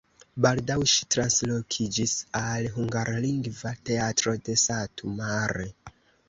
Baldaŭ ŝi translokiĝis al hungarlingva teatro de Satu Mare.